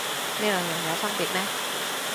呢兩樣有分別咩